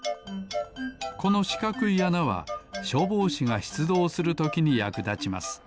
このしかくいあなはしょうぼうしがしゅつどうするときにやくだちます。